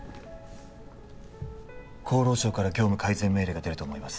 厚労省から業務改善命令が出ると思います